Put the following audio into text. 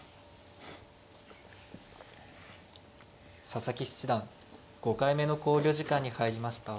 佐々木七段５回目の考慮時間に入りました。